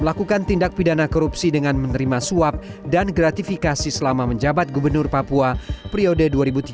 melakukan tindak pidana korupsi dengan menerima suap dan gratifikasi selama menjabat gubernur papua priode dua ribu tiga dua ribu dua puluh